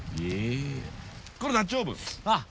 これダッチオーブンです。